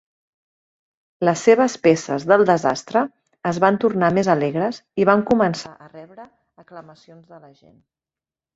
Les seves "peces del desastre" es van tornar més alegres i van començar a rebre aclamacions de la gent.